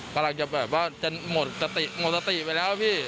กำลังจะแบบว่าจะหมดสติหมดสติไปแล้วพี่